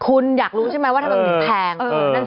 คุณอยากรู้ใช่ไหมว่าถ้ามันมีแพง